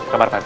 kabar pak rt